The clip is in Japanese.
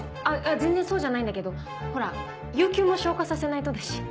あっ全然そうじゃないんだけどほら有休も消化させないとだし。